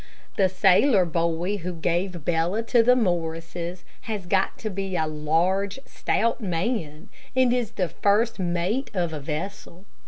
The sailor boy who gave Bella to the Morrises has got to be a large, stout man, and is the first mate of a vessel.